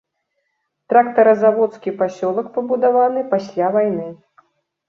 Трактаразаводскі пасёлак пабудаваны пасля вайны.